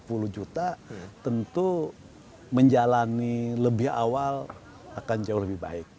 rp sepuluh juta tentu menjalani lebih awal akan jauh lebih baik